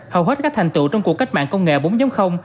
hầu hết các thành tựu trong cuộc cách mạng công nghệ bốn